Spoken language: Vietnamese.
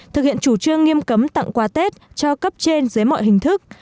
thực hiện chủ trương nghiêm cấm tặng quà tết cho cấp trên dưới mọi hình thức